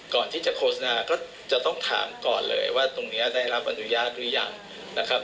ก่อนที่จะโฆษณาก็จะต้องถามก่อนเลยว่าตรงนี้ได้รับอนุญาตหรือยังนะครับ